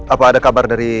apa ada kabar dari